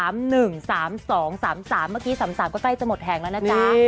เมื่อกี้๓๓ก็ใกล้จะหมดแห่งแล้วนะจ๊ะ